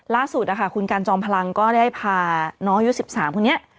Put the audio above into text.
ล่าสุดคุณกันจอมพลังก็ได้พาน้องยุค๑๓คนนี้